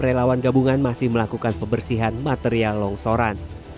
relawan gabungan masih melakukan pembersihan material longsoran